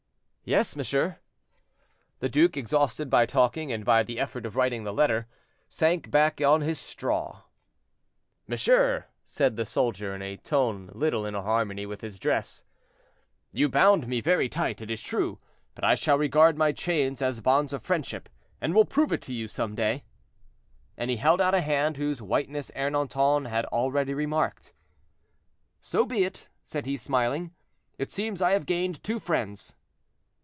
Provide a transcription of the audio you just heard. "Yes, monsieur." The duke, exhausted by talking, and by the effort of writing the letter, sank back on his straw. "Monsieur," said the soldier, in a tone little in harmony with his dress, "you bound me very tight, it is true, but I shall regard my chains as bonds of friendship, and will prove it to you some day." And he held out a hand whose whiteness Ernanton had already remarked. "So be it," said he, smiling; "it seems I have gained two friends."